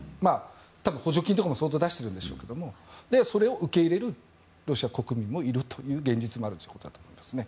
多分、補助金とかも相当出しているんでしょうけどそれを受け入れるロシア国民もいるという現実もあるということだと思います。